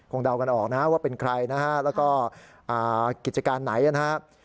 เดากันออกนะว่าเป็นใครนะฮะแล้วก็กิจการไหนนะครับ